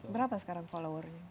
berapa sekarang followernya